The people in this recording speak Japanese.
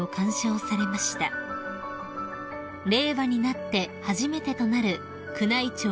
［令和になって初めてとなる宮内庁